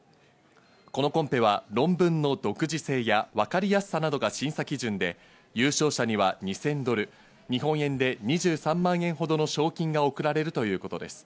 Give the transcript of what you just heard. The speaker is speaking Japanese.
このコンペは論文の独自性や、わかりやすさなどが審査基準で優勝者には２０００ドル、日本円で２３万円ほどの賞金が贈られるということです。